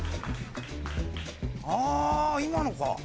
ああ今のか。